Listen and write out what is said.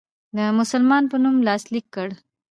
د مسلمان په نوم لاسلیک کړ.